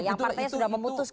itu juga penting